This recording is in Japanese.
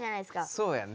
そうやね。